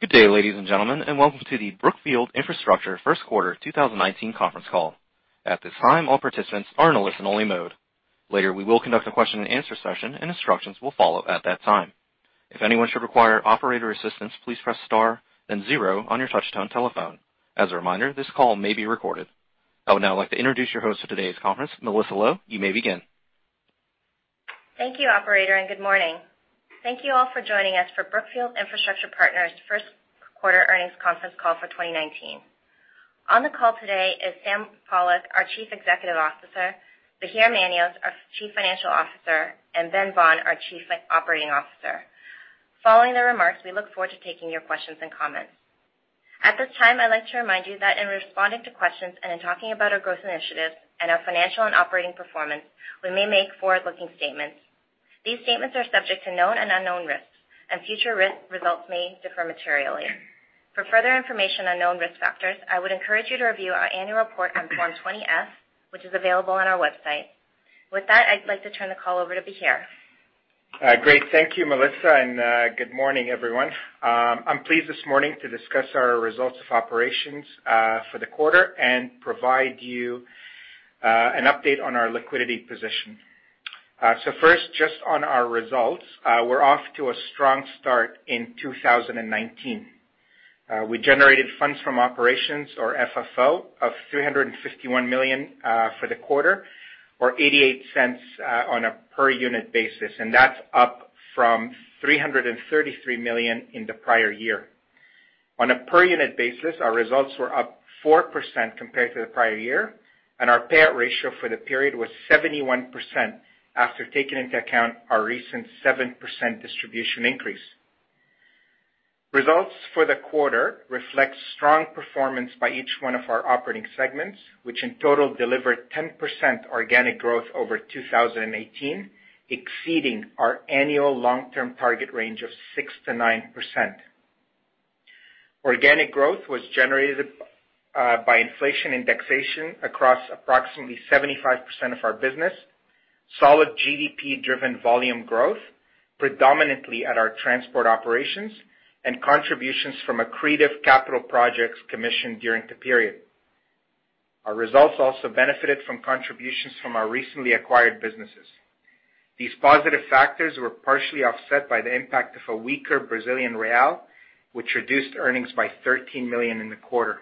Good day, ladies and gentlemen. Welcome to the Brookfield Infrastructure first quarter 2019 conference call. At this time, all participants are in a listen-only mode. Later, we will conduct a question and answer session, and instructions will follow at that time. If anyone should require operator assistance, please press star then zero on your touch-tone telephone. As a reminder, this call may be recorded. I would now like to introduce your host for today's conference, Melissa Lowe. You may begin. Thank you, operator, and good morning. Thank you all for joining us for Brookfield Infrastructure Partners' first quarter earnings conference call for 2019. On the call today is Sam Pollock, our Chief Executive Officer, Bahir Manios, our Chief Financial Officer, and Ben Vaughan, our Chief Operating Officer. Following the remarks, we look forward to taking your questions and comments. At this time, I'd like to remind you that in responding to questions and in talking about our growth initiatives and our financial and operating performance, we may make forward-looking statements. These statements are subject to known and unknown risks, and future results may differ materially. For further information on known risk factors, I would encourage you to review our annual report on Form 20-F, which is available on our website. With that, I'd like to turn the call over to Bahir. Great. Thank you, Melissa, and good morning, everyone. I'm pleased this morning to discuss our results of operations for the quarter and provide you an update on our liquidity position. First, just on our results, we're off to a strong start in 2019. We generated funds from operations or FFO of $351 million for the quarter or $0.88 on a per-unit basis, and that's up from $333 million in the prior year. On a per-unit basis, our results were up 4% compared to the prior year, and our payout ratio for the period was 71% after taking into account our recent 7% distribution increase. Results for the quarter reflect strong performance by each one of our operating segments, which in total delivered 10% organic growth over 2018, exceeding our annual long-term target range of 6%-9%. Organic growth was generated by inflation indexation across approximately 75% of our business, solid GDP-driven volume growth, predominantly at our transport operations, and contributions from accretive capital projects commissioned during the period. Our results also benefited from contributions from our recently acquired businesses. These positive factors were partially offset by the impact of a weaker Brazilian real, which reduced earnings by 13 million in the quarter.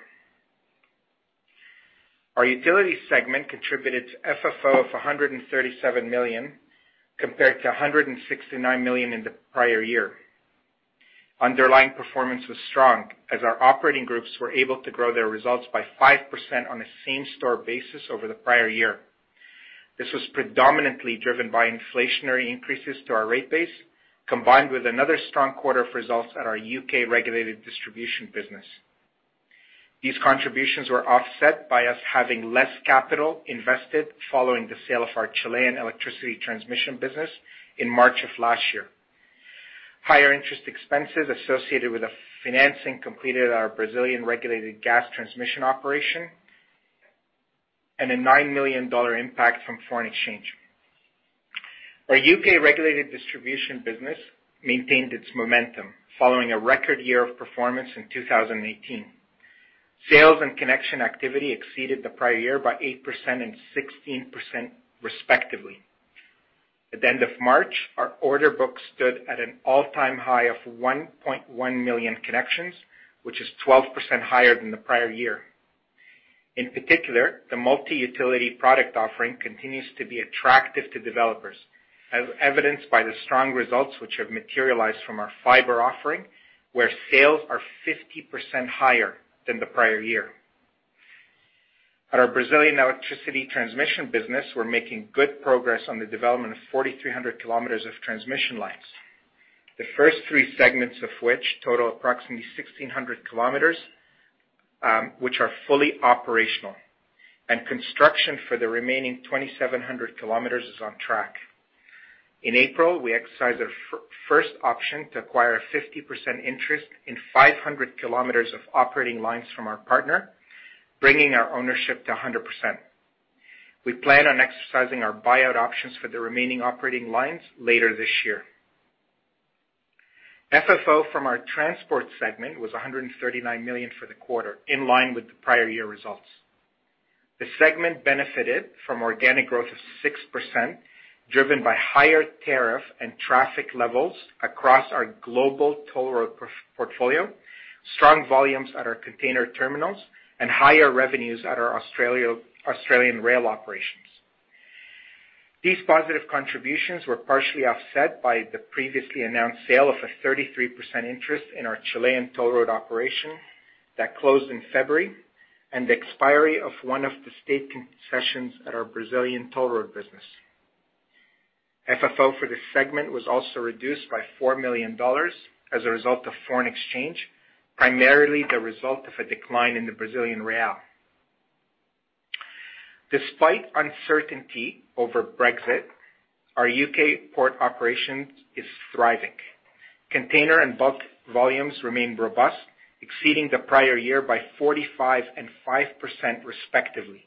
Our utility segment contributed to FFO of $137 million compared to $169 million in the prior year. Underlying performance was strong as our operating groups were able to grow their results by 5% on a same-store basis over the prior year. This was predominantly driven by inflationary increases to our rate base, combined with another strong quarter of results at our U.K. regulated distribution business. These contributions were offset by us having less capital invested following the sale of our Chilean electricity transmission business in March of last year. Higher interest expenses associated with a financing completed our Brazilian regulated gas transmission operation and a $9 million impact from foreign exchange. Our U.K. regulated distribution business maintained its momentum following a record year of performance in 2018. Sales and connection activity exceeded the prior year by 8% and 16%, respectively. At the end of March, our order book stood at an all-time high of 1.1 million connections, which is 12% higher than the prior year. In particular, the multi-utility product offering continues to be attractive to developers, as evidenced by the strong results which have materialized from our fiber offering, where sales are 50% higher than the prior year. At our Brazilian electricity transmission business, we are making good progress on the development of 4,300 kilometers of transmission lines. The first 3 segments of which total approximately 1,600 kilometers which are fully operational. Construction for the remaining 2,700 kilometers is on track. In April, we exercised our first option to acquire a 50% interest in 500 kilometers of operating lines from our partner, bringing our ownership to 100%. We plan on exercising our buyout options for the remaining operating lines later this year. FFO from our transport segment was $139 million for the quarter, in line with the prior year results. The segment benefited from organic growth of 6%, driven by higher tariff and traffic levels across our global toll road portfolio, strong volumes at our container terminals, and higher revenues at our Australian rail operations. These positive contributions were partially offset by the previously announced sale of a 33% interest in our Chilean toll road operation that closed in February and the expiry of one of the state concessions at our Brazilian toll road business. FFO for this segment was also reduced by $4 million as a result of foreign exchange, primarily the result of a decline in the Brazilian real. Despite uncertainty over Brexit, our U.K. port operation is thriving. Container and bulk volumes remain robust, exceeding the prior year by 45% and 5%, respectively.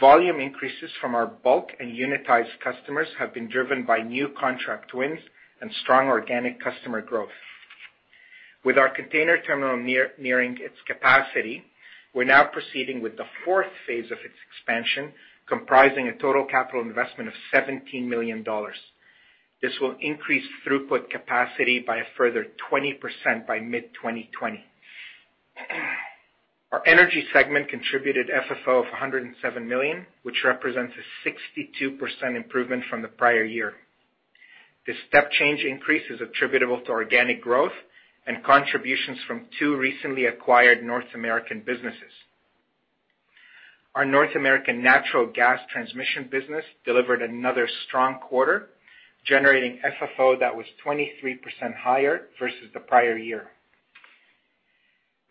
Volume increases from our bulk and unitized customers have been driven by new contract wins and strong organic customer growth. With our container terminal nearing its capacity, we are now proceeding with the fourth phase of its expansion, comprising a total capital investment of $17 million. This will increase throughput capacity by a further 20% by mid-2020. Our energy segment contributed FFO of $107 million, which represents a 62% improvement from the prior year. This step change increase is attributable to organic growth and contributions from two recently acquired North American businesses. Our North American natural gas transmission business delivered another strong quarter, generating FFO that was 23% higher versus the prior year.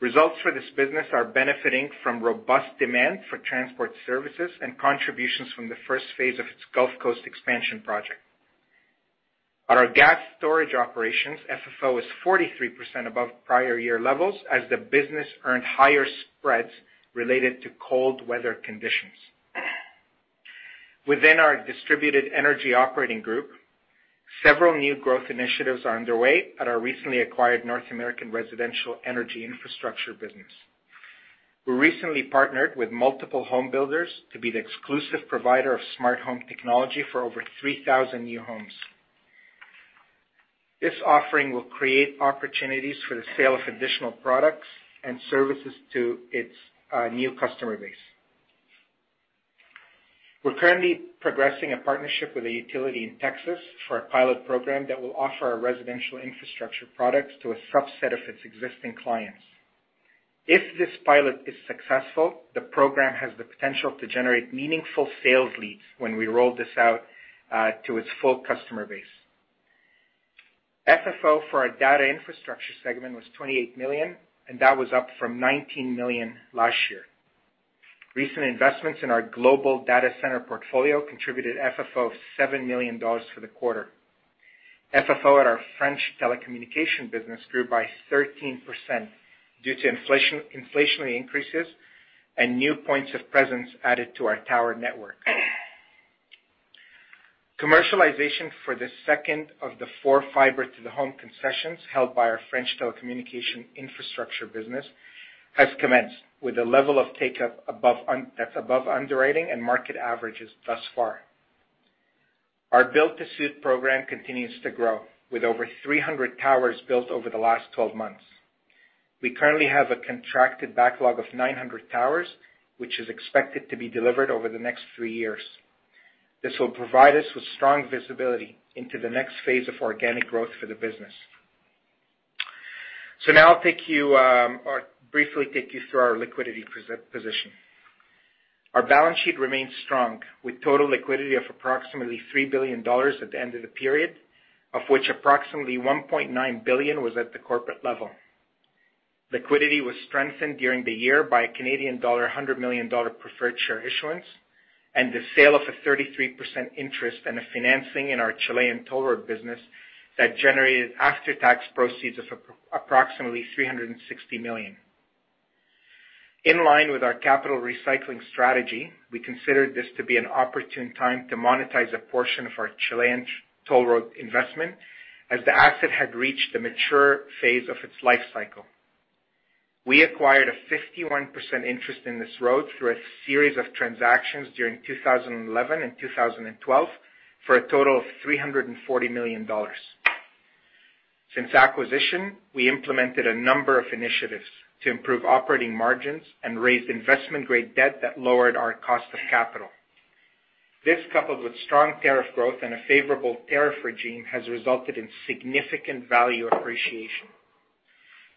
Results for this business are benefiting from robust demand for transport services and contributions from the first phase of its Gulf Coast expansion project. At our gas storage operations, FFO is 43% above prior year levels as the business earned higher spreads related to cold weather conditions. Within our distributed energy operating group, several new growth initiatives are underway at our recently acquired North American residential energy infrastructure business. We recently partnered with multiple home builders to be the exclusive provider of smart home technology for over 3,000 new homes. This offering will create opportunities for the sale of additional products and services to its new customer base. We're currently progressing a partnership with a utility in Texas for a pilot program that will offer our residential infrastructure products to a subset of its existing clients. If this pilot is successful, the program has the potential to generate meaningful sales leads when we roll this out to its full customer base. FFO for our data infrastructure segment was $28 million, and that was up from $19 million last year. Recent investments in our global data center portfolio contributed FFO of $7 million for the quarter. FFO at our French telecommunication business grew by 13% due to inflationary increases and new points of presence added to our tower network. Commercialization for the second of the four Fiber-to-the-Home concessions held by our French telecommunication infrastructure business has commenced with a level of take-up that's above underwriting and market averages thus far. Our build-to-suit program continues to grow, with over 300 towers built over the last 12 months. We currently have a contracted backlog of 900 towers, which is expected to be delivered over the next three years. Now I'll briefly take you through our liquidity position. Our balance sheet remains strong with total liquidity of approximately $3 billion at the end of the period, of which approximately $1.9 billion was at the corporate level. Liquidity was strengthened during the year by a Canadian dollar 100 million preferred share issuance, and the sale of a 33% interest in a financing in our Chilean toll road business that generated after-tax proceeds of approximately $360 million. In line with our capital recycling strategy, we considered this to be an opportune time to monetize a portion of our Chilean toll road investment as the asset had reached the mature phase of its life cycle. We acquired a 51% interest in this road through a series of transactions during 2011 and 2012 for a total of $340 million. Since acquisition, we implemented a number of initiatives to improve operating margins and raise investment-grade debt that lowered our cost of capital. This, coupled with strong tariff growth and a favorable tariff regime, has resulted in significant value appreciation.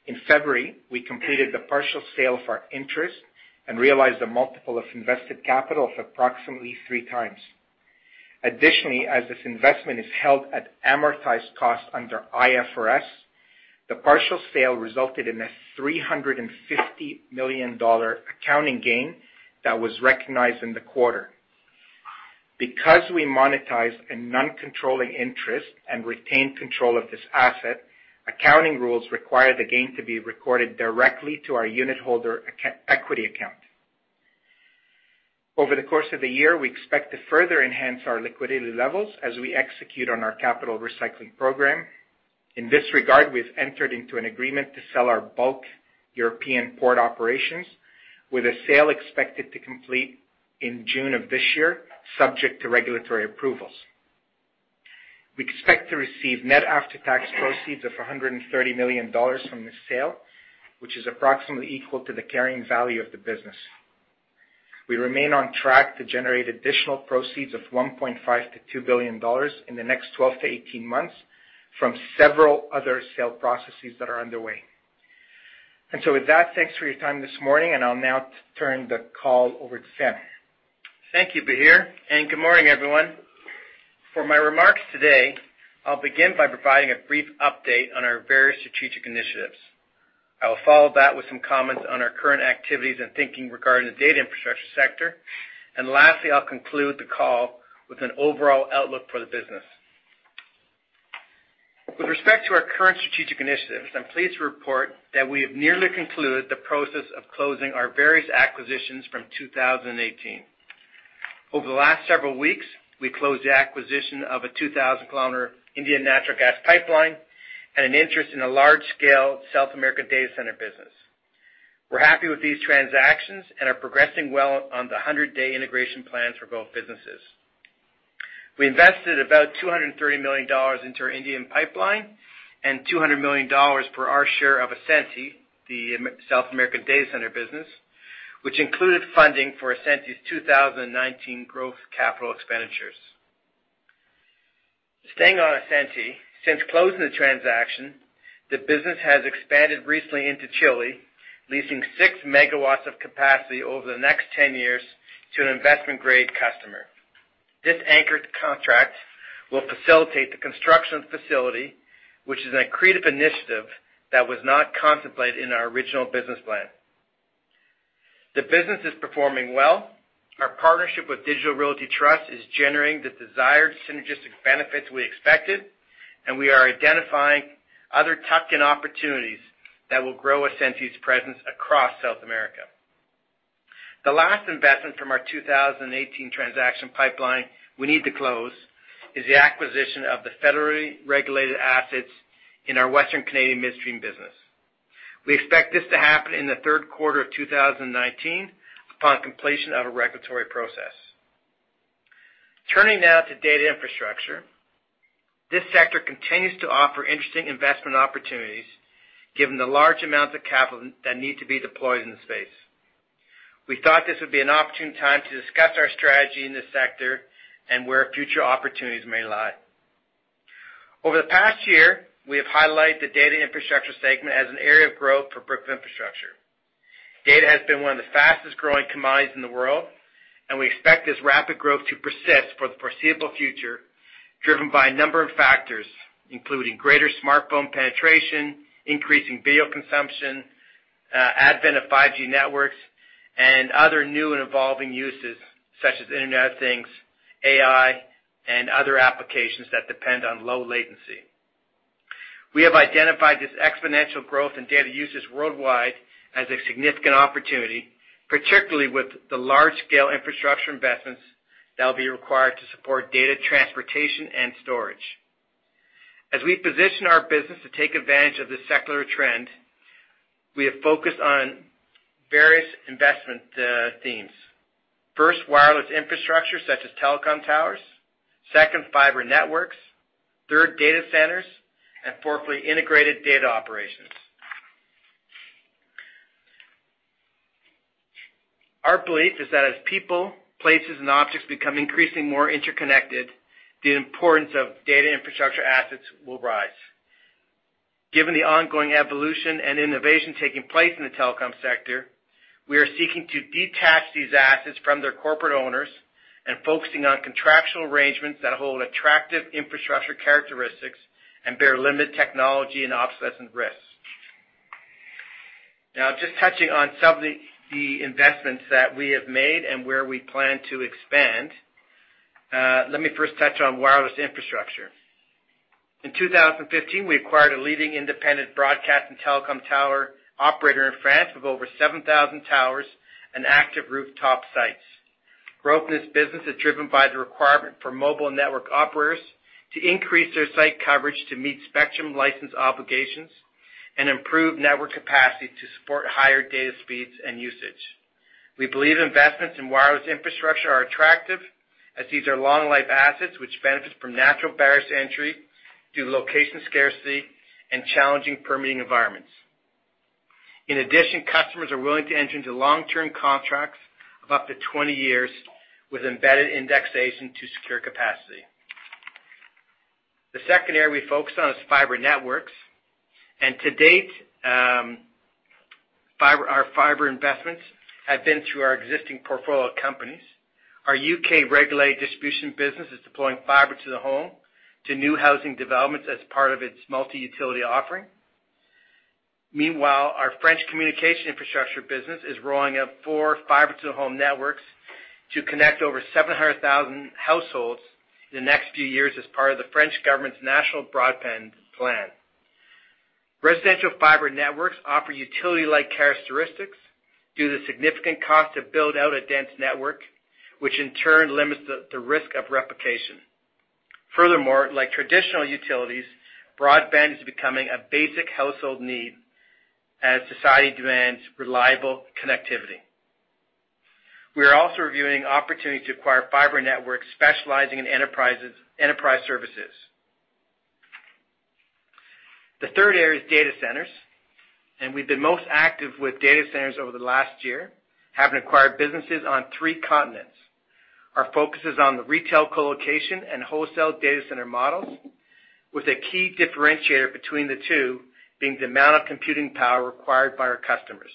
In February, we completed the partial sale of our interest and realized a multiple of invested capital of approximately three times. Additionally, as this investment is held at amortized cost under IFRS, the partial sale resulted in a $350 million accounting gain that was recognized in the quarter. Because we monetized a non-controlling interest and retained control of this asset, accounting rules require the gain to be recorded directly to our unitholder equity account. Over the course of the year, we expect to further enhance our liquidity levels as we execute on our capital recycling program. In this regard, we have entered into an agreement to sell our bulk European port operations, with a sale expected to complete in June of this year, subject to regulatory approvals. We expect to receive net after-tax proceeds of $130 million from the sale, which is approximately equal to the carrying value of the business. We remain on track to generate additional proceeds of $1.5 billion to $2 billion in the next 12 to 18 months from several other sale processes that are underway. With that, thanks for your time this morning, and I'll now turn the call over to Ben. Thank you, Bahir, and good morning, everyone. For my remarks today, I'll begin by providing a brief update on our various strategic initiatives. I will follow that with some comments on our current activities and thinking regarding the data infrastructure sector. Lastly, I'll conclude the call with an overall outlook for the business. With respect to our current strategic initiatives, I'm pleased to report that we have nearly concluded the process of closing our various acquisitions from 2018. Over the last several weeks, we closed the acquisition of a 2,000 km Indian natural gas pipeline and an interest in a large-scale South American data center business. We're happy with these transactions and are progressing well on the 100-day integration plan for both businesses. We invested about $230 million into our Indian pipeline and $200 million for our share of Ascenty, the South American data center business, which included funding for Ascenty's 2019 growth capital expenditures. Staying on Ascenty, since closing the transaction, the business has expanded recently into Chile, leasing 6 MW of capacity over the next 10 years to an investment-grade customer. This anchored contract will facilitate the construction facility, which is an accretive initiative that was not contemplated in our original business plan. The business is performing well. Our partnership with Digital Realty Trust is generating the desired synergistic benefits we expected, and we are identifying other tuck-in opportunities that will grow Ascenty's presence across South America. The last investment from our 2018 transaction pipeline we need to close is the acquisition of the federally regulated assets in our Western Canadian midstream business. We expect this to happen in the third quarter of 2019 upon completion of a regulatory process. Turning now to data infrastructure. This sector continues to offer interesting investment opportunities given the large amounts of capital that need to be deployed in the space. We thought this would be an opportune time to discuss our strategy in this sector and where future opportunities may lie. Over the past year, we have highlighted the data infrastructure segment as an area of growth for Brookfield Infrastructure. Data has been one of the fastest-growing commodities in the world, and we expect this rapid growth to persist for the foreseeable future, driven by a number of factors, including greater smartphone penetration, increasing video consumption, advent of 5G networks, and other new and evolving uses such as Internet of Things, AI, and other applications that depend on low latency. We have identified this exponential growth in data usage worldwide as a significant opportunity, particularly with the large-scale infrastructure investments that will be required to support data transportation and storage. As we position our business to take advantage of this secular trend, we have focused on various investment themes. First, wireless infrastructure such as telecom towers. Second, fiber networks. Third, data centers. Fourthly, integrated data operations. Our belief is that as people, places, and objects become increasingly more interconnected, the importance of data infrastructure assets will rise. Given the ongoing evolution and innovation taking place in the telecom sector, we are seeking to detach these assets from their corporate owners and focusing on contractual arrangements that hold attractive infrastructure characteristics and bear limited technology and obsolescent risks. Now, just touching on some of the investments that we have made and where we plan to expand, let me first touch on wireless infrastructure. In 2015, we acquired a leading independent broadcast and telecom tower operator in France with over 7,000 towers and active rooftop sites. Growth in this business is driven by the requirement for mobile network operators to increase their site coverage to meet spectrum license obligations and improve network capacity to support higher data speeds and usage. We believe investments in wireless infrastructure are attractive as these are long-life assets which benefit from natural barriers to entry due to location scarcity and challenging permitting environments. In addition, customers are willing to enter into long-term contracts of up to 20 years with embedded indexation to secure capacity. The second area we focus on is fiber networks, and to date, our fiber investments have been through our existing portfolio of companies. Our U.K. regulated distribution business is deploying Fiber-to-the-Home to new housing developments as part of its multi-utility offering. Meanwhile, our French communication infrastructure business is rolling out four Fiber-to-the-Home networks to connect over 700,000 households in the next few years as part of the French government's National Broadband Plan. Residential fiber networks offer utility-like characteristics due to the significant cost to build out a dense network, which in turn limits the risk of replication. Furthermore, like traditional utilities, broadband is becoming a basic household need as society demands reliable connectivity. We are also reviewing opportunities to acquire fiber networks specializing in enterprise services. The third area is data centers, and we've been most active with data centers over the last year, having acquired businesses on three continents. Our focus is on the retail colocation and wholesale data center models, with a key differentiator between the two being the amount of computing power required by our customers.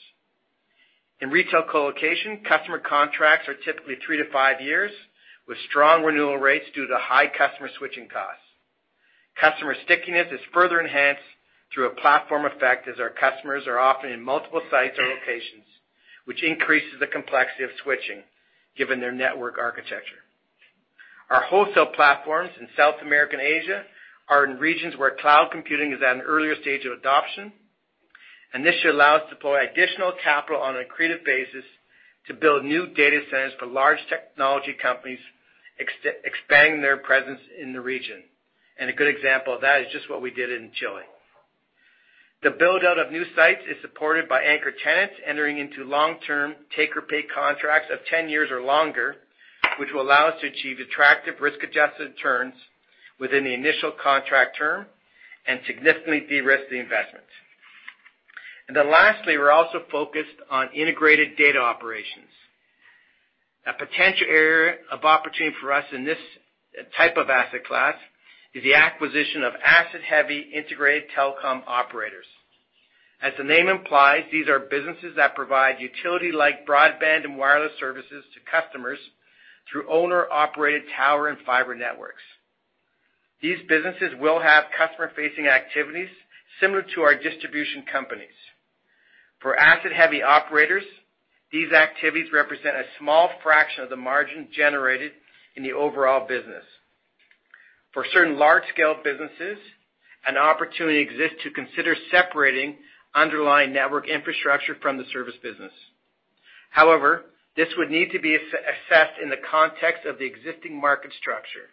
In retail colocation, customer contracts are typically three to five years, with strong renewal rates due to high customer switching costs. Customer stickiness is further enhanced through a platform effect, as our customers are often in multiple sites or locations. Which increases the complexity of switching given their network architecture. Our wholesale platforms in South America and Asia are in regions where cloud computing is at an earlier stage of adoption, this should allow us to deploy additional capital on an accretive basis to build new data centers for large technology companies expanding their presence in the region. A good example of that is just what we did in Chile. The build-out of new sites is supported by anchor tenants entering into long-term take-or-pay contracts of 10 years or longer, which will allow us to achieve attractive risk-adjusted returns within the initial contract term and significantly de-risk the investment. Lastly, we are also focused on integrated data operations. A potential area of opportunity for us in this type of asset class is the acquisition of asset-heavy integrated telecom operators. As the name implies, these are businesses that provide utility-like broadband and wireless services to customers through owner-operated tower and fiber networks. These businesses will have customer-facing activities similar to our distribution companies. For asset-heavy operators, these activities represent a small fraction of the margin generated in the overall business. For certain large-scale businesses, an opportunity exists to consider separating underlying network infrastructure from the service business. However, this would need to be assessed in the context of the existing market structure.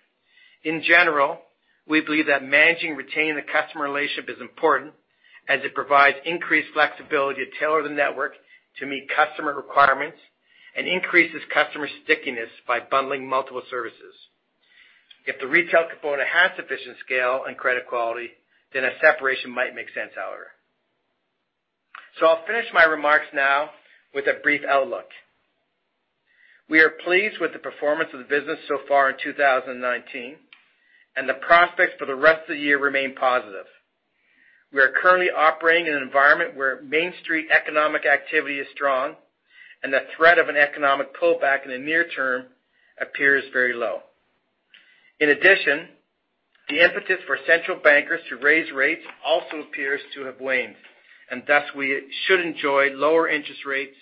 In general, we believe that managing and retaining the customer relationship is important as it provides increased flexibility to tailor the network to meet customer requirements and increases customer stickiness by bundling multiple services. If the retail component has sufficient scale and credit quality, then a separation might make sense, however. I will finish my remarks now with a brief outlook. We are pleased with the performance of the business so far in 2019, the prospects for the rest of the year remain positive. We are currently operating in an environment where Main Street economic activity is strong and the threat of an economic pullback in the near term appears very low. In addition, the impetus for central bankers to raise rates also appears to have waned, thus we should enjoy lower interest rates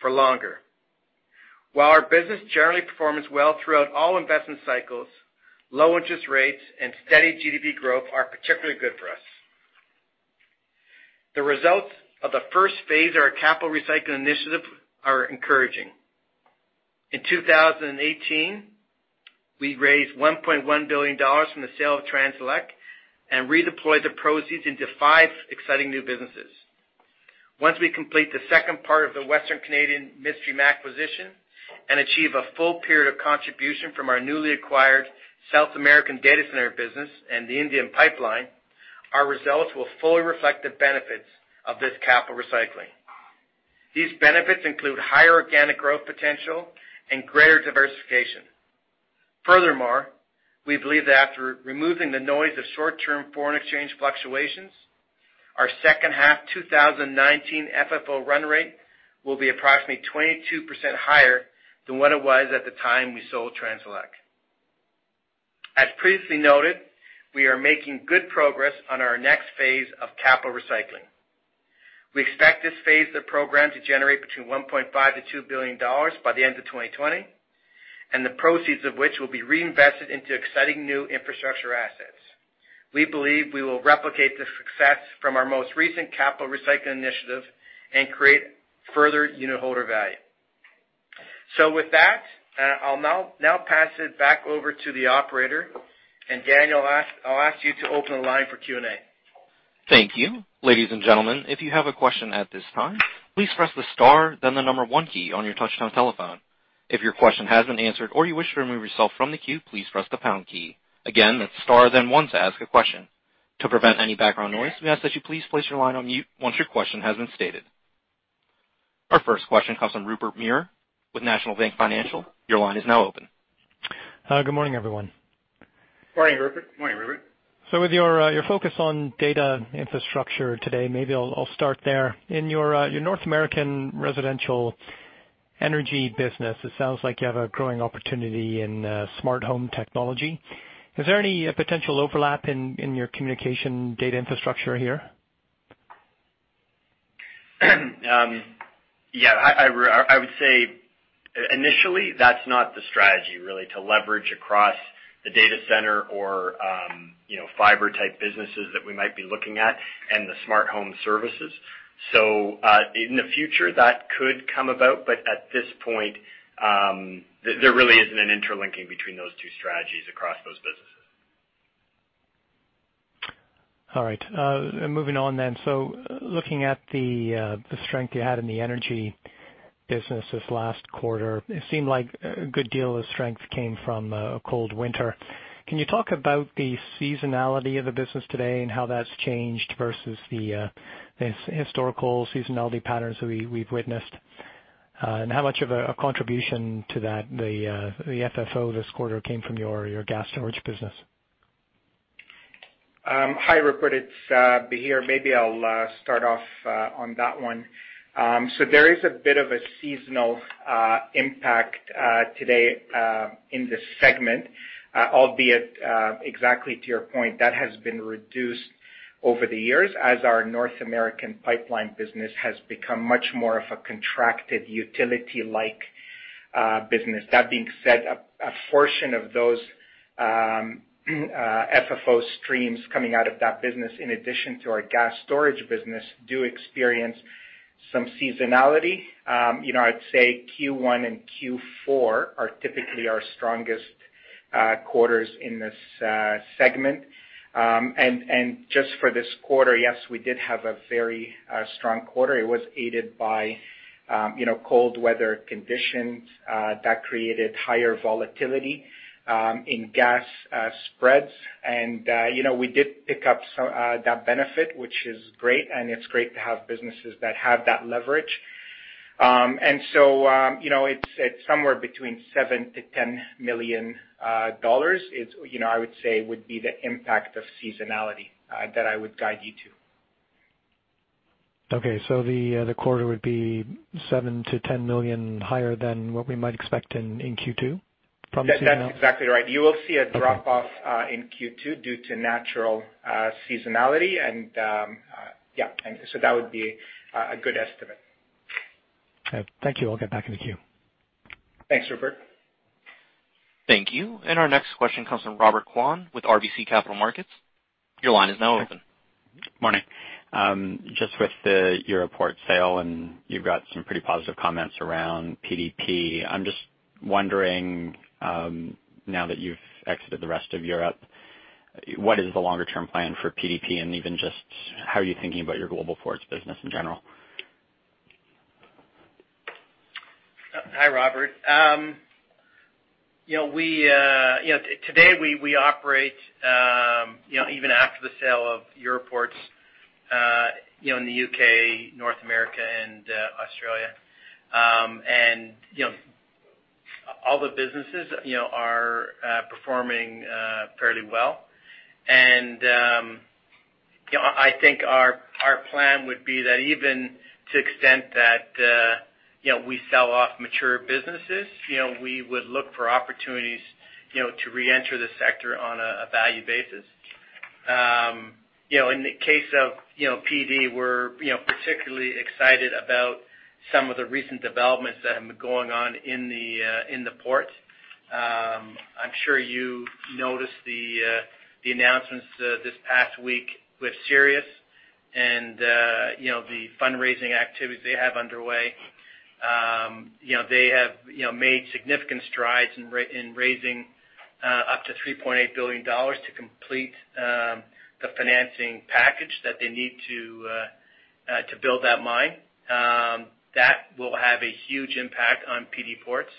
for longer. While our business generally performs well throughout all investment cycles, low interest rates and steady GDP growth are particularly good for us. The results of the first phase of our capital recycling initiative are encouraging. In 2018, we raised $1.1 billion from the sale of Transelec and redeployed the proceeds into five exciting new businesses. Once we complete the second part of the Western Canadian midstream acquisition and achieve a full period of contribution from our newly acquired South American data center business and the Indian pipeline, our results will fully reflect the benefits of this capital recycling. These benefits include higher organic growth potential and greater diversification. Furthermore, we believe that after removing the noise of short-term foreign exchange fluctuations, our second half 2019 FFO run rate will be approximately 22% higher than what it was at the time we sold Transelec. As previously noted, we are making good progress on our next phase of capital recycling. We expect this phase of the program to generate between $1.5 billion-$2 billion by the end of 2020, the proceeds of which will be reinvested into exciting new infrastructure assets. We believe we will replicate the success from our most recent capital recycling initiative and create further unitholder value. With that, I'll now pass it back over to the operator, and Daniel, I'll ask you to open the line for Q&A. Thank you. Ladies and gentlemen, if you have a question at this time, please press the star then the number one key on your touchtone telephone. If your question has been answered or you wish to remove yourself from the queue, please press the pound key. Again, that's star then one to ask a question. To prevent any background noise, we ask that you please place your line on mute once your question has been stated. Our first question comes from Rupert Merer with National Bank Financial. Your line is now open. Good morning, everyone. Morning, Rupert. Morning, Rupert. With your focus on data infrastructure today, maybe I'll start there. In your North American residential energy business, it sounds like you have a growing opportunity in smart home technology. Is there any potential overlap in your communication data infrastructure here? I would say initially, that's not the strategy really to leverage across the data center or fiber-type businesses that we might be looking at and the smart home services. In the future, that could come about, but at this point, there really isn't an interlinking between those two strategies across those businesses. All right. Moving on then. Looking at the strength you had in the energy business this last quarter, it seemed like a good deal of strength came from a cold winter. Can you talk about the seasonality of the business today and how that's changed versus the historical seasonality patterns we've witnessed? How much of a contribution to that, the FFO this quarter came from your gas storage business? Hi, Rupert. It's Bahir. Maybe I'll start off on that one. There is a bit of a seasonal impact today in this segment, albeit exactly to your point, that has been reduced over the years as our North American pipeline business has become much more of a contracted utility-like business. That being said, a portion of those FFO streams coming out of that business, in addition to our gas storage business, do experience some seasonality. I'd say Q1 and Q4 are typically our strongest quarters in this segment. Just for this quarter, yes, we did have a very strong quarter. It was aided by cold weather conditions that created higher volatility in gas spreads. We did pick up that benefit, which is great, and it's great to have businesses that have that leverage. It's somewhere between $7 million to $10 million, I would say, would be the impact of seasonality that I would guide you to. Okay. The quarter would be $7 million to $10 million higher than what we might expect in Q2. That's exactly right. You will see a drop-off in Q2 due to natural seasonality. That would be a good estimate. Okay. Thank you. I'll get back in the queue. Thanks, Rupert. Thank you. Our next question comes from Robert Kwan with RBC Capital Markets. Your line is now open. Morning. Just with the Euroports sale, you've got some pretty positive comments around PDP. I'm just wondering, now that you've exited the rest of Europe, what is the longer-term plan for PDP and even just how are you thinking about your global ports business in general? Hi, Robert. Today we operate, even after the sale of Euroports, in the U.K., North America, and Australia. All the businesses are performing fairly well. I think our plan would be that even to extent that we sell off mature businesses, we would look for opportunities to reenter the sector on a value basis. In the case of PD Ports, we're particularly excited about some of the recent developments that have been going on in the port. I'm sure you noticed the announcements this past week with Sirius and the fundraising activities they have underway. They have made significant strides in raising up to $3.8 billion to complete the financing package that they need to build that mine. That will have a huge impact on PD Ports,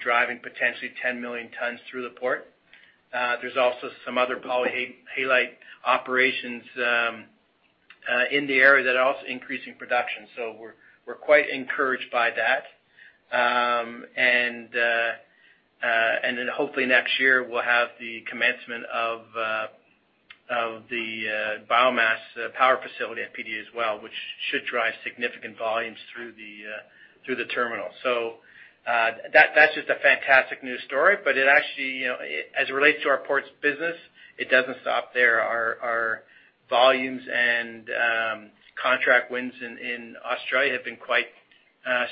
driving potentially 10 million tons through the port. There's also some other polyhalite operations in the area that are also increasing production. We're quite encouraged by that. Hopefully next year, we'll have the commencement of the biomass power facility at PD as well, which should drive significant volumes through the terminal. That's just a fantastic news story, but it actually, as it relates to our ports business, it doesn't stop there. Our volumes and contract wins in Australia have been quite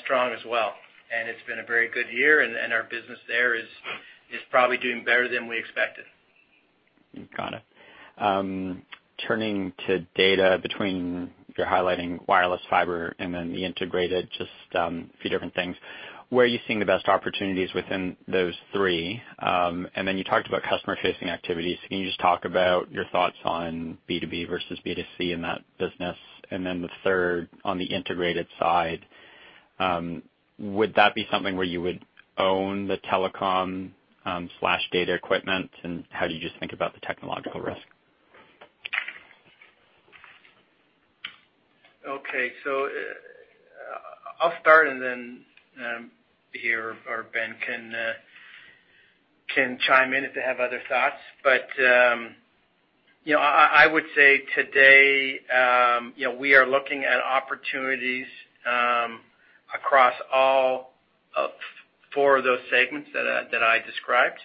strong as well, and it's been a very good year, and our business there is probably doing better than we expected. Got it. Turning to data between, you're highlighting wireless fiber and then the integrated, just a few different things. Where are you seeing the best opportunities within those three? You talked about customer-facing activities. Can you just talk about your thoughts on B2B versus B2C in that business? The third, on the integrated side, would that be something where you would own the telecom/data equipment? How do you just think about the technological risk? Okay. I'll start, and then here, our Ben can chime in if they have other thoughts. I would say today, we are looking at opportunities across all four of those segments that I described,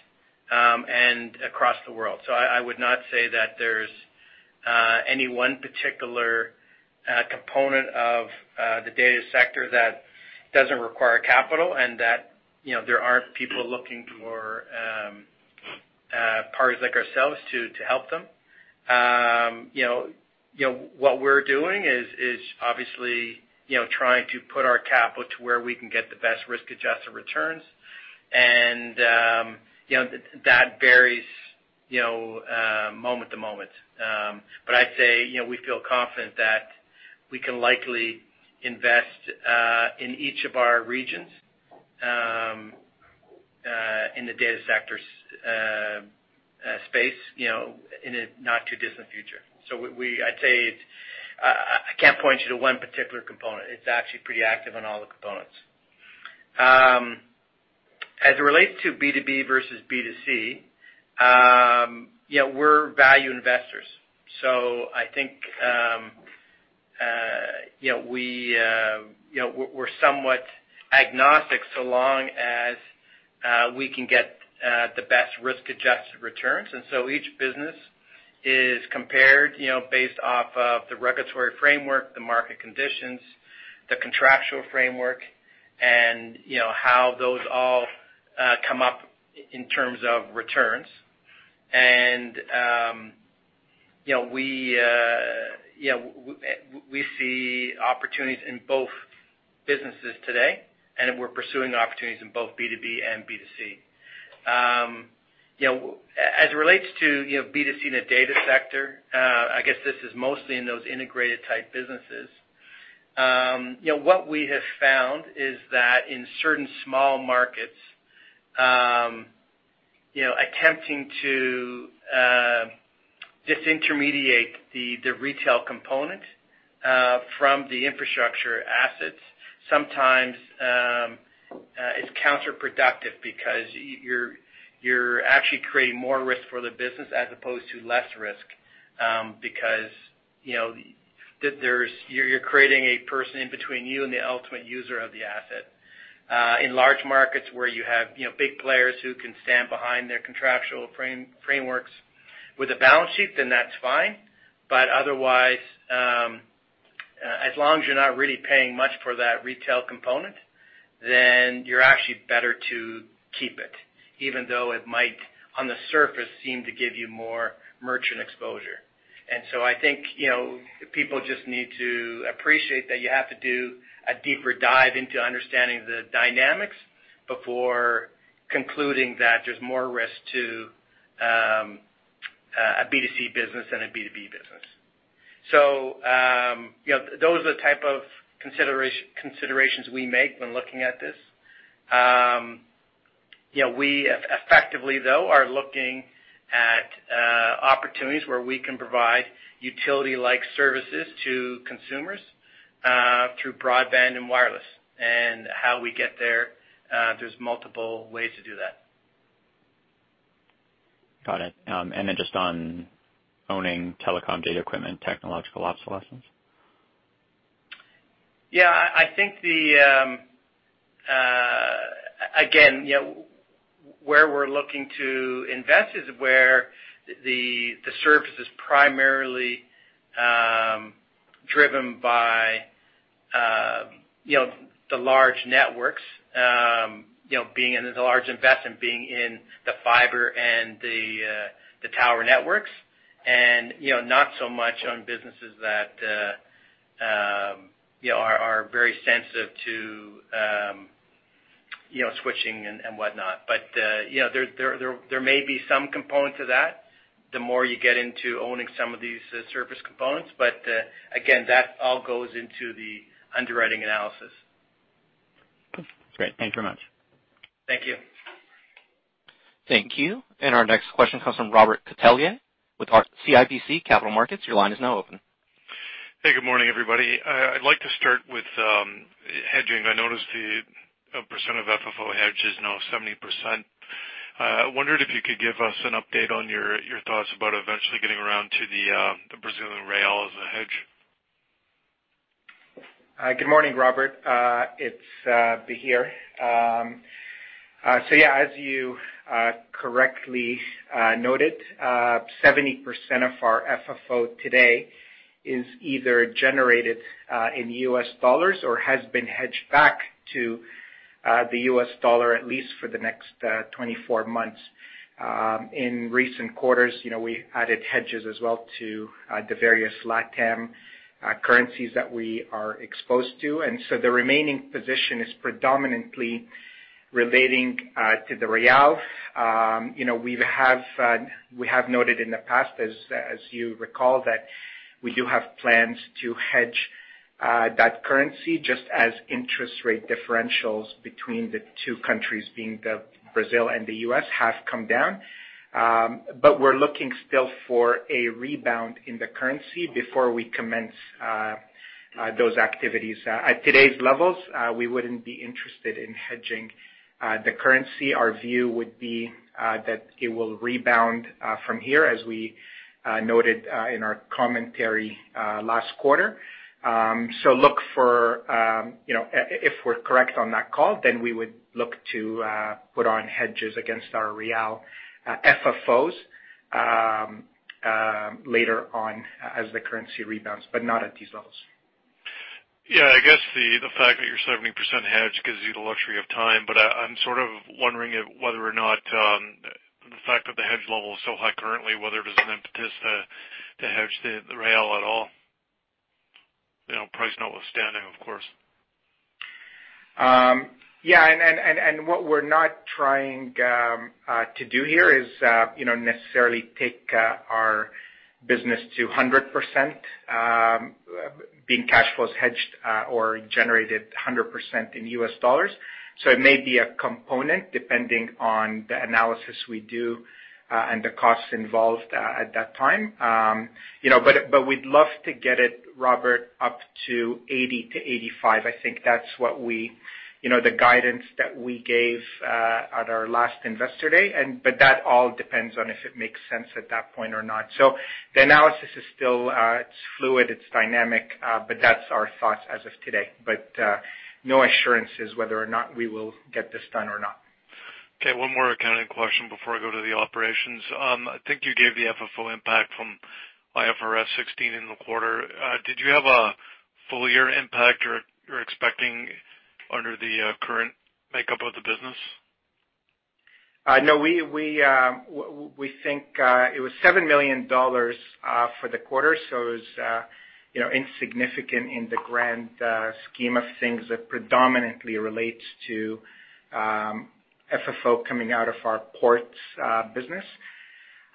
and across the world. I would not say that there's any one particular component of the data sector that doesn't require capital and that there aren't people looking for parties like ourselves to help them. What we're doing is obviously trying to put our capital to where we can get the best risk-adjusted returns. That varies moment to moment. I'd say, we feel confident that we can likely invest in each of our regions, in the data sector space, in a not too distant future. I'd say, I can't point you to one particular component. It's actually pretty active on all the components. As it relates to B2B versus B2C, we're value investors. I think we're somewhat agnostic so long as We can get the best risk-adjusted returns. Each business is compared based off of the regulatory framework, the market conditions, the contractual framework, and how those all come up in terms of returns. We see opportunities in both businesses today, and we're pursuing opportunities in both B2B and B2C. As it relates to B2C in the data sector, I guess this is mostly in those integrated type businesses. What we have found is that in certain small markets, attempting to disintermediate the retail component from the infrastructure assets, sometimes it's counterproductive because you're actually creating more risk for the business as opposed to less risk. Because you're creating a person in between you and the ultimate user of the asset. In large markets where you have big players who can stand behind their contractual frameworks with a balance sheet, then that's fine. Otherwise, as long as you're not really paying much for that retail component, then you're actually better to keep it, even though it might, on the surface, seem to give you more merchant exposure. I think, people just need to appreciate that you have to do a deeper dive into understanding the dynamics before concluding that there's more risk to a B2C business than a B2B business. Those are the type of considerations we make when looking at this. We effectively, though, are looking at opportunities where we can provide utility-like services to consumers through broadband and wireless. How we get there's multiple ways to do that. Got it. Then just on owning telecom data equipment, technological obsolescence? Yeah. I think, again, where we're looking to invest is where the service is primarily driven by the large networks, being in the large investment, being in the fiber and the tower networks, and not so much on businesses that are very sensitive to switching and whatnot. There may be some component to that the more you get into owning some of these service components. Again, that all goes into the underwriting analysis. Great. Thank you very much. Thank you. Thank you. Our next question comes from Robert Catellier with CIBC Capital Markets. Your line is now open. Hey, good morning, everybody. I'd like to start with hedging. I noticed the 70% of FFO hedge is now 70%. I wondered if you could give us an update on your thoughts about eventually getting around to the Brazilian real as a hedge. Good morning, Robert. It's Bahir. Yeah, as you correctly noted, 70% of our FFO today is either generated in US dollars or has been hedged back to the US dollar at least for the next 24 months. In recent quarters, we added hedges as well to the various LATAM currencies that we are exposed to. The remaining position is predominantly relating to the real. We have noted in the past, as you recall, that we do have plans to hedge that currency just as interest rate differentials between the two countries, being the Brazil and the U.S., have come down. We're looking still for a rebound in the currency before we commence those activities. At today's levels, we wouldn't be interested in hedging the currency. Our view would be that it will rebound from here as we noted in our commentary last quarter. Look for, if we're correct on that call, then we would look to put on hedges against our real FFOs later on as the currency rebounds, but not at these levels. Yeah, I guess the fact that your 70% hedge gives you the luxury of time, but I'm sort of wondering whether or not the fact that the hedge level is so high currently, whether there's an impetus to hedge the real at all. Price notwithstanding, of course. Yeah, what we're not trying to do here is necessarily take our business to 100%, being cash flows hedged or generated 100% in U.S. dollars. It may be a component, depending on the analysis we do and the costs involved at that time. We'd love to get it, Robert, up to 80%-85%. I think that's the guidance that we gave at our last Investor Day. That all depends on if it makes sense at that point or not. The analysis is still fluid, it's dynamic, but that's our thoughts as of today. No assurances whether or not we will get this done or not. Okay. One more accounting question before I go to the operations. I think you gave the FFO impact from IFRS 16 in the quarter. Did you have a full year impact you're expecting under the current makeup of the business? No, we think it was $7 million for the quarter. It was insignificant in the grand scheme of things. It predominantly relates to FFO coming out of our ports business.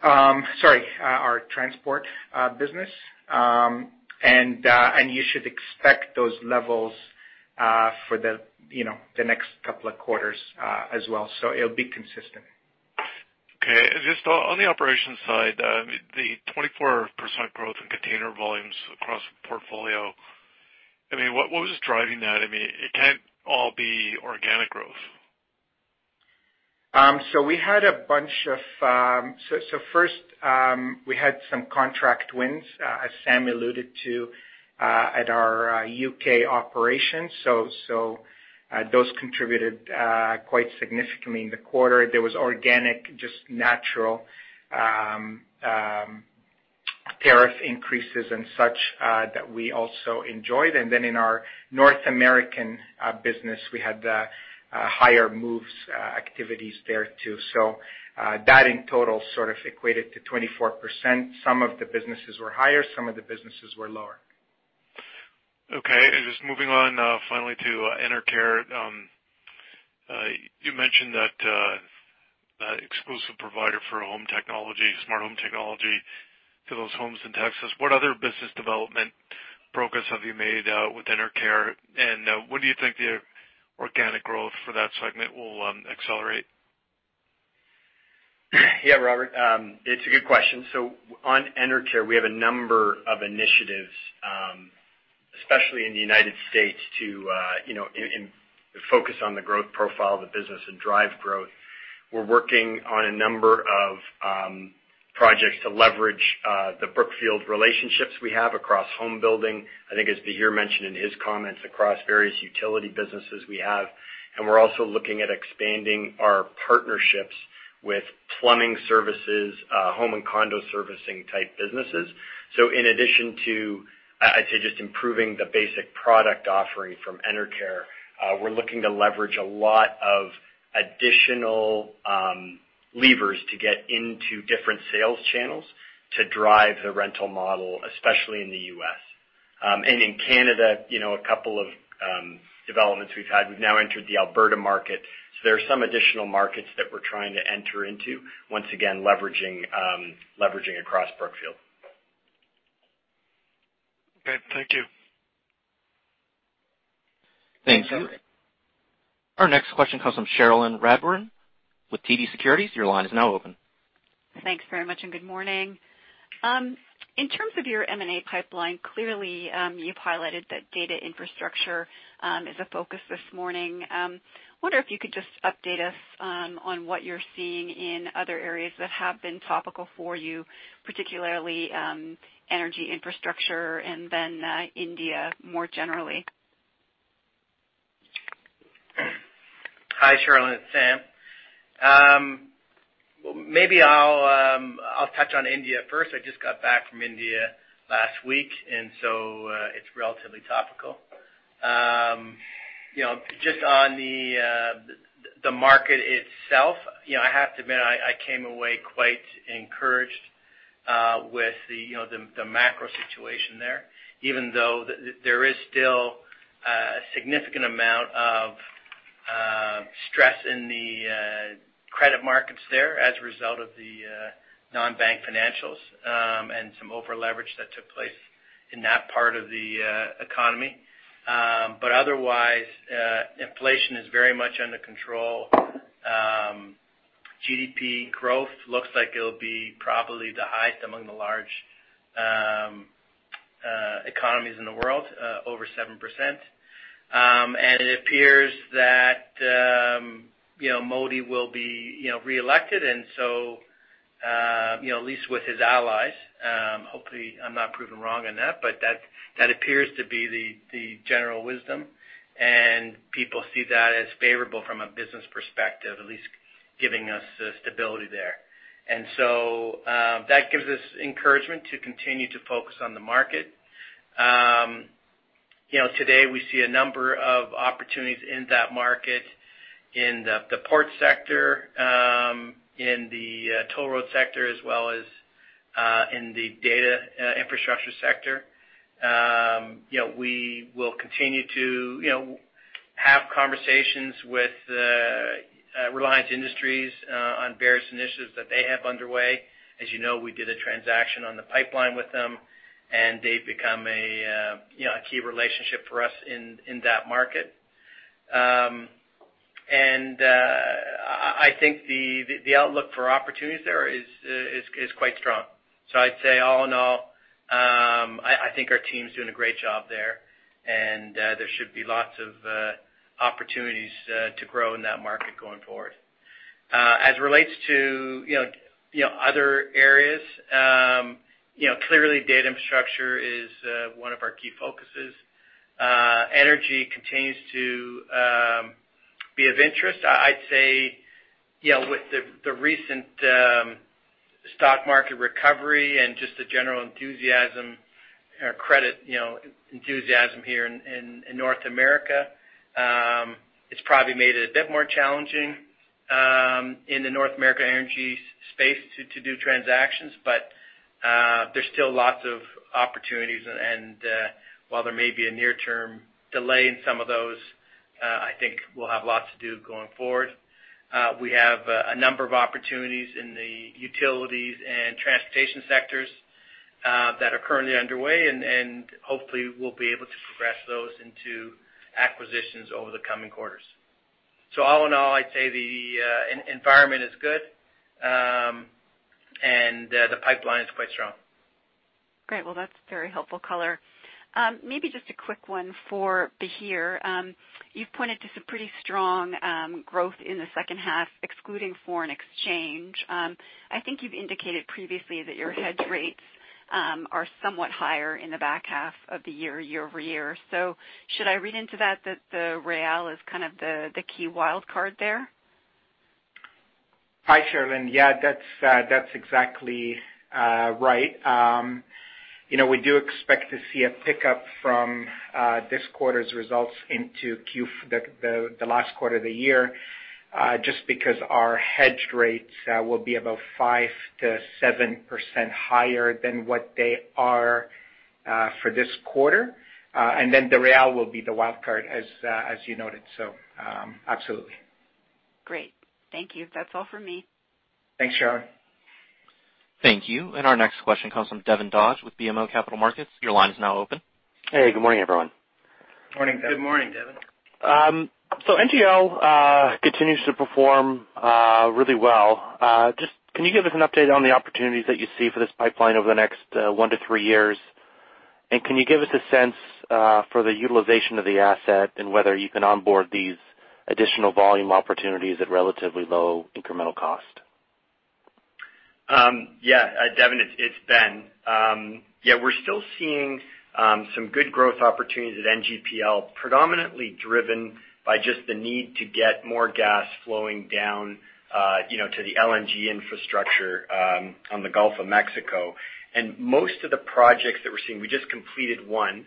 Sorry, our transport business. You should expect those levels for the next couple of quarters as well. It'll be consistent. Okay. Just on the operations side, the 24% growth in container volumes across the portfolio, what was driving that? It can't all be organic growth. First, we had some contract wins, as Sam alluded to, at our U.K. operations. Those contributed quite significantly in the quarter. There was organic, just natural tariff increases and such that we also enjoyed. In our North American business, we had higher moves activities there too. That in total sort of equated to 24%. Some of the businesses were higher, some of the businesses were lower. Just moving on finally to Enercare. You mentioned that exclusive provider for home technology, smart home technology, to those homes in Texas. What other business development progress have you made with Enercare, and when do you think the organic growth for that segment will accelerate? Yeah, Robert, it's a good question. On Enercare, we have a number of initiatives, especially in the U.S. to focus on the growth profile of the business and drive growth. We're working on a number of projects to leverage the Brookfield relationships we have across home building. I think as Bahir mentioned in his comments, across various utility businesses we have. We're also looking at expanding our partnerships with plumbing services, home and condo servicing type businesses. In addition to, I'd say, just improving the basic product offering from Enercare, we're looking to leverage a lot of additional levers to get into different sales channels to drive the rental model, especially in the U.S. In Canada, a couple of developments we've had. We've now entered the Alberta market. There are some additional markets that we're trying to enter into, once again, leveraging across Brookfield. Thank you. Thank you. Our next question comes from Cherilyn Radbourne with TD Securities. Your line is now open. Thanks very much. Good morning. In terms of your M&A pipeline, clearly, you've highlighted that data infrastructure is a focus this morning. Wonder if you could just update us on what you're seeing in other areas that have been topical for you, particularly, energy infrastructure, and then India more generally. Hi, Cherilyn. It's Sam. Maybe I'll touch on India first. I just got back from India last week, so, it's relatively topical. Just on the market itself, I have to admit, I came away quite encouraged with the macro situation there, even though there is still a significant amount of stress in the credit markets there as a result of the non-bank financials, and some over-leverage that took place in that part of the economy. Otherwise, inflation is very much under control. GDP growth looks like it'll be probably the highest among the large economies in the world, over 7%. It appears that Modi will be reelected, at least with his allies. Hopefully, I'm not proven wrong on that. That appears to be the general wisdom, and people see that as favorable from a business perspective, at least giving us stability there. That gives us encouragement to continue to focus on the market. Today, we see a number of opportunities in that market in the port sector, in the toll road sector, as well as in the data infrastructure sector. We will continue to have conversations with Reliance Industries on various initiatives that they have underway. As you know, we did a transaction on the pipeline with them, and they've become a key relationship for us in that market. I think the outlook for opportunities there is quite strong. I'd say, all in all, I think our team's doing a great job there, and there should be lots of opportunities to grow in that market going forward. As it relates to other areas. Clearly, data infrastructure is one of our key focuses. Energy continues to be of interest. I'd say, with the recent stock market recovery and just the general credit enthusiasm here in North America, it's probably made it a bit more challenging in the North American energy space to do transactions. There's still lots of opportunities, and while there may be a near-term delay in some of those, I think we'll have lots to do going forward. We have a number of opportunities in the utilities and transportation sectors that are currently underway, and hopefully, we'll be able to progress those into acquisitions over the coming quarters. All in all, I'd say the environment is good, and the pipeline is quite strong. Great. Well, that's very helpful color. Maybe just a quick one for Bahir. You've pointed to some pretty strong growth in the second half, excluding foreign exchange. I think you've indicated previously that your hedged rates are somewhat higher in the back half of the year-over-year. Should I read into that the real is kind of the key wild card there? Hi, Cherilyn. Yeah, that's exactly right. We do expect to see a pickup from this quarter's results into the last quarter of the year, just because our hedged rates will be about 5%-7% higher than what they are for this quarter. The real will be the wild card, as you noted. Absolutely. Great. Thank you. That's all for me. Thanks, Cherilyn. Thank you. Our next question comes from Devin Dodge with BMO Capital Markets. Your line is now open. Hey, good morning, everyone. Morning, Devin. Good morning, Devin. NGPL continues to perform really well. Just, can you give us an update on the opportunities that you see for this pipeline over the next one to three years? Can you give us a sense for the utilization of the asset and whether you can onboard these additional volume opportunities at relatively low incremental cost? Yeah. Devin, it's Ben. Yeah, we're still seeing some good growth opportunities at NGPL, predominantly driven by just the need to get more gas flowing down to the LNG infrastructure on the Gulf of Mexico. Most of the projects that we're seeing, we just completed one,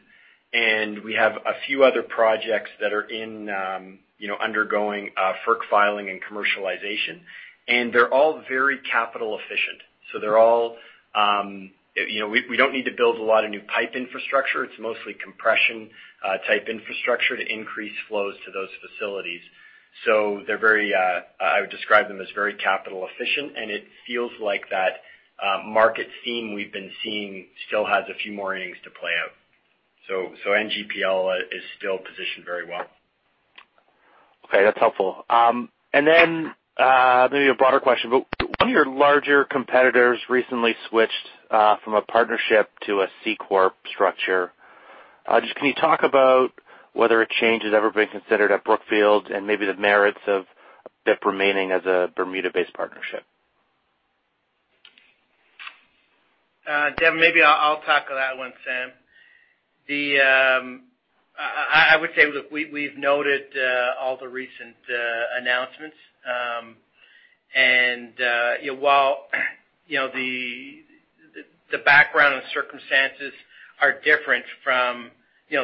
and we have a few other projects that are undergoing FERC filing and commercialization. They're all very capital efficient. We don't need to build a lot of new pipe infrastructure. It's mostly compression-type infrastructure to increase flows to those facilities. I would describe them as very capital efficient, and it feels like that market theme we've been seeing still has a few more innings to play out. NGPL is still positioned very well. Okay, that's helpful. Maybe a broader question, one of your larger competitors recently switched from a partnership to a C-corp structure. Can you talk about whether a change has ever been considered at Brookfield and maybe the merits of remaining as a Bermuda-based partnership? Devin, maybe I'll tackle that one, Sam. I would say, look, we've noted all the recent announcements. While the background and circumstances are different from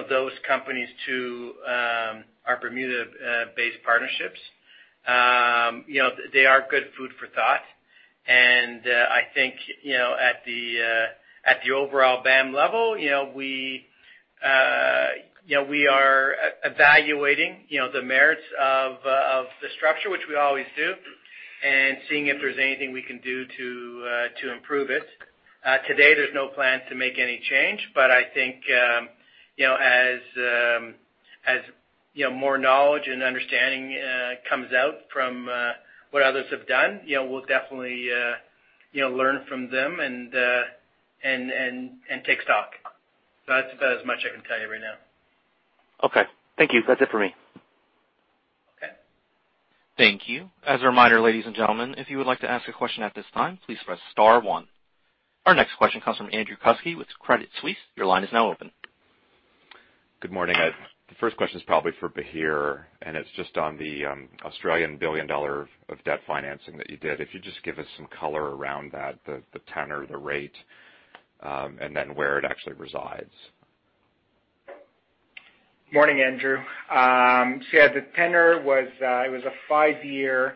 those companies to our Bermuda-based partnerships. They are good food for thought. I think at the overall BAM level, we are evaluating the merits of the structure, which we always do, and seeing if there's anything we can do to improve it. Today, there's no plan to make any change, I think as more knowledge and understanding comes out from what others have done, we'll definitely learn from them and take stock. That's about as much I can tell you right now. Okay. Thank you. That's it for me. Okay. Thank you. As a reminder, ladies and gentlemen, if you would like to ask a question at this time, please press star one. Our next question comes from Andrew Kuske with Credit Suisse. Your line is now open. Good morning. The first question is probably for Bahir, it's just on the Australian $1 billion of debt financing that you did. If you just give us some color around that, the tenor, the rate, and then where it actually resides. Morning, Andrew. The tenor was a 5-year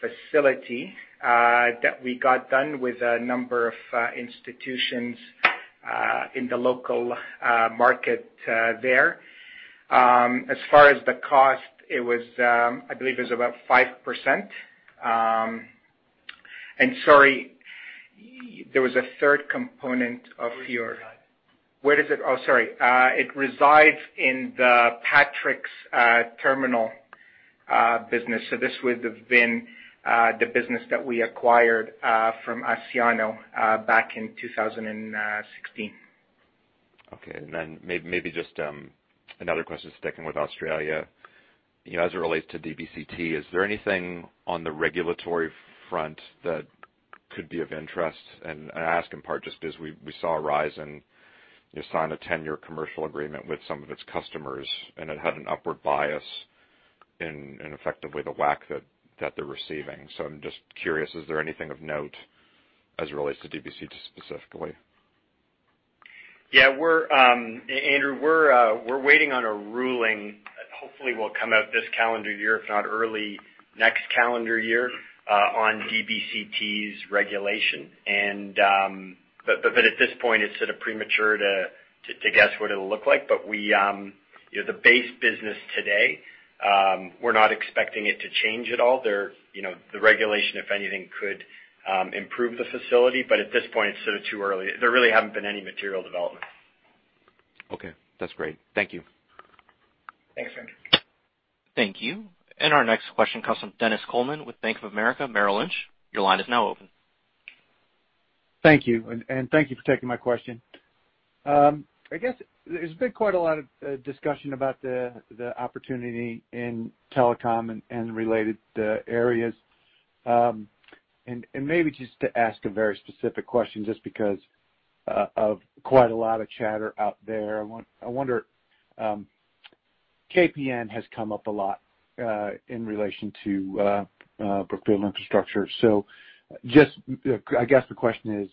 facility that we got done with a number of institutions in the local market there. As far as the cost, I believe it's about 5%. Sorry, there was a third component of your- Where does it reside? Where does it Sorry. It resides in the Patrick's Terminals business. This would have been the business that we acquired from Asciano back in 2016. Okay. Maybe just another question, sticking with Australia. As it relates to DBCT, is there anything on the regulatory front that could be of interest? I ask in part just because we saw a rise and sign of tenure commercial agreement with some of its customers, and it had an upward bias in effectively the WACC that they're receiving. I'm just curious, is there anything of note as it relates to DBCT specifically? Yeah, Andrew, we're waiting on a ruling that hopefully will come out this calendar year, if not early next calendar year, on DBCT's regulation. At this point, it's sort of premature to guess what it'll look like. The base business today, we're not expecting it to change at all. The regulation, if anything, could improve the facility, but at this point, it's sort of too early. There really haven't been any material developments. Okay, that's great. Thank you. Thanks, Andrew. Thank you. Our next question comes from Dennis Coleman with Bank of America Merrill Lynch. Your line is now open. Thank you. Thank you for taking my question. I guess there's been quite a lot of discussion about the opportunity in telecom and related areas. Maybe just to ask a very specific question, just because of quite a lot of chatter out there. I wonder, KPN has come up a lot, in relation to Brookfield Infrastructure. I guess the question is,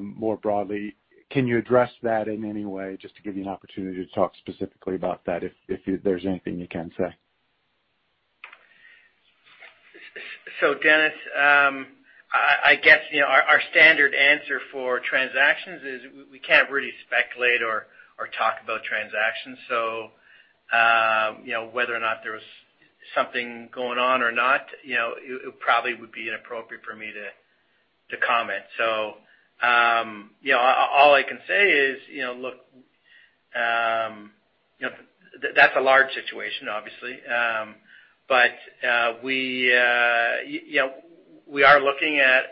more broadly, can you address that in any way, just to give you an opportunity to talk specifically about that if there's anything you can say. Dennis, I guess our standard answer for transactions is we can't really speculate or talk about transactions. Whether or not there's something going on or not, it probably would be inappropriate for me to comment. All I can say is, that's a large situation, obviously. We are looking at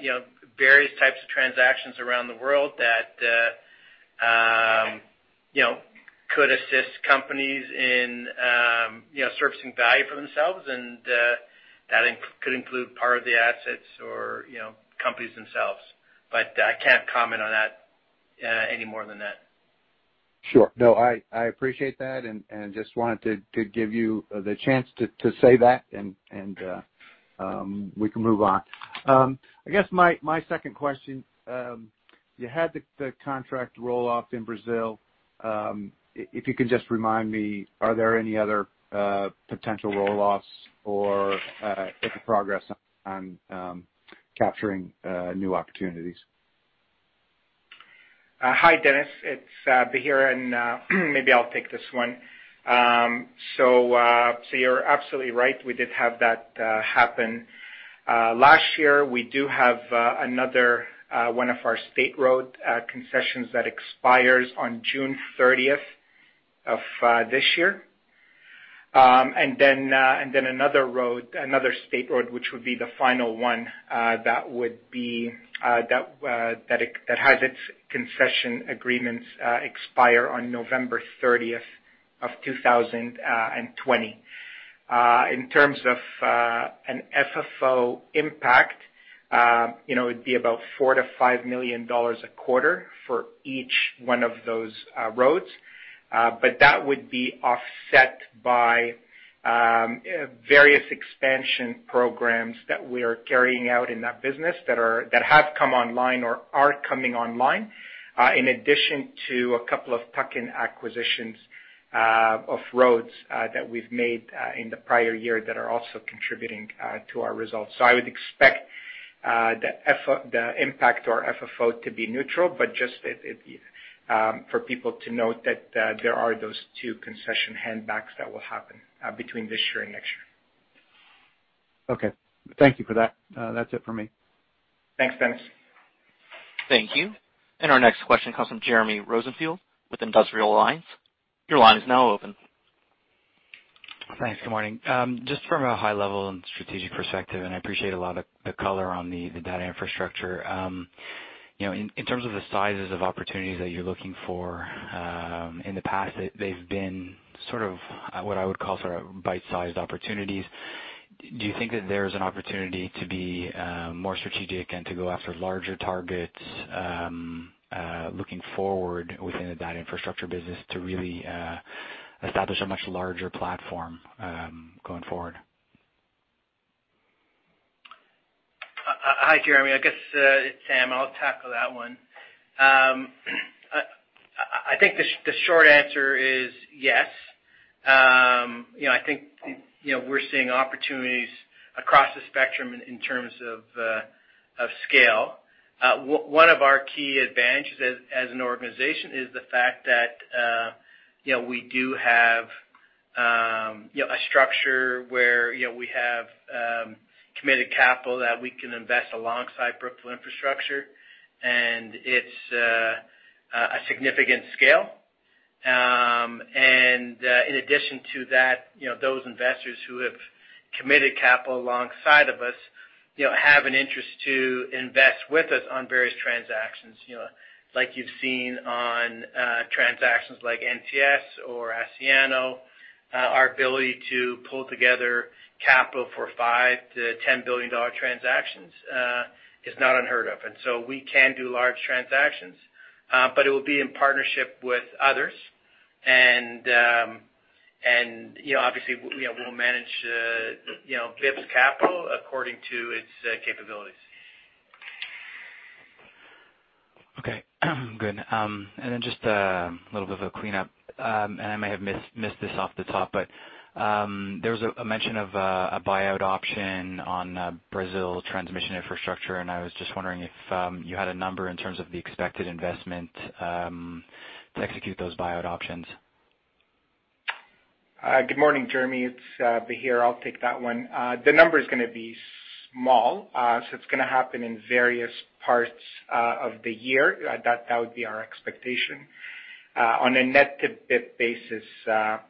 various types of transactions around the world that could assist companies in surfacing value for themselves, and that could include part of the assets or companies themselves. I can't comment on that any more than that. Sure. No, I appreciate that, just wanted to give you the chance to say that and we can move on. I guess my second question, you had the contract roll off in Brazil. If you can just remind me, are there any other potential roll-offs or is it progress on capturing new opportunities? Hi, Dennis. It's Bahir. Maybe I'll take this one. You're absolutely right, we did have that happen. Last year, we do have another one of our state road concessions that expires on June 30th of this year. Another state road, which would be the final one, that has its concession agreements expire on November 30th of 2020. In terms of an FFO impact, it'd be about $4 million to $5 million a quarter for each one of those roads. That would be offset by various expansion programs that we are carrying out in that business that have come online or are coming online, in addition to a couple of tuck-in acquisitions of roads that we've made in the prior year that are also contributing to our results. I would expect the impact to our FFO to be neutral, but just for people to note that there are those two concession handbacks that will happen between this year and next year. Okay. Thank you for that. That's it for me. Thanks, Dennis. Thank you. Our next question comes from Jeremy Rosenfield with Industrial Alliance. Your line is now open. Thanks. Good morning. Just from a high level and strategic perspective, I appreciate a lot of the color on the data infrastructure. In terms of the sizes of opportunities that you're looking for, in the past, they've been sort of what I would call sort of bite-sized opportunities. Do you think that there's an opportunity to be more strategic and to go after larger targets, looking forward within the data infrastructure business to really establish a much larger platform, going forward? Hi, Jeremy. I guess, it's Sam, I'll tackle that one. I think the short answer is yes. I think we're seeing opportunities across the spectrum in terms of scale. One of our key advantages as an organization is the fact that we do have a structure where we have committed capital that we can invest alongside Brookfield Infrastructure, and it's a significant scale In addition to that, those investors who have committed capital alongside of us have an interest to invest with us on various transactions. Like you've seen on transactions like NTS or Asciano, our ability to pull together capital for $5 billion-$10 billion transactions is not unheard of. We can do large transactions, but it will be in partnership with others. Obviously, we'll manage BIP's capital according to its capabilities. Okay. Good. Then just a little bit of a cleanup. I may have missed this off the top, but there was a mention of a buyout option on Brazil transmission infrastructure, and I was just wondering if you had a number in terms of the expected investment to execute those buyout options. Good morning, Jeremy. It's Bahir. I'll take that one. The number is going to be small. It's going to happen in various parts of the year. That would be our expectation. On a net-to-BIP basis,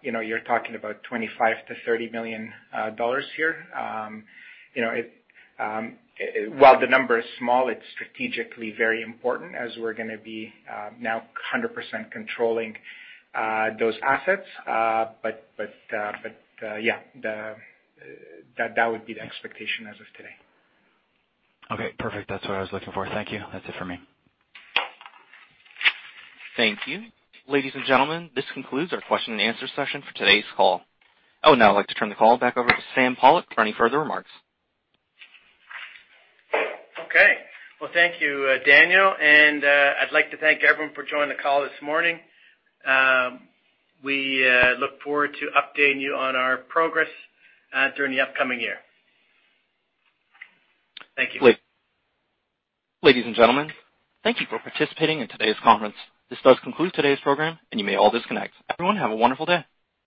you're talking about $25 million-$30 million here. While the number is small, it's strategically very important as we're going to be now 100% controlling those assets. Yeah. That would be the expectation as of today. Okay, perfect. That's what I was looking for. Thank you. That's it for me. Thank you. Ladies and gentlemen, this concludes our question and answer session for today's call. I would now like to turn the call back over to Sam Pollock for any further remarks. Okay. Well, thank you, Daniel. I'd like to thank everyone for joining the call this morning. We look forward to updating you on our progress during the upcoming year. Thank you. Ladies and gentlemen, thank you for participating in today's conference. This does conclude today's program. You may all disconnect. Everyone, have a wonderful day.